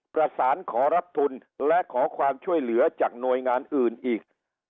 ประสานขอรับทุนและขอความช่วยเหลือจากหน่วยงานอื่นอีก